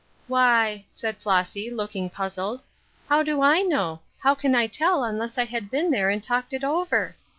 " Why," said Flossy, looking puzzled, " how do I know ? How can I tell unless I had been there and talked it over